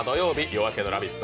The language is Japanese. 「夜明けのラヴィット！」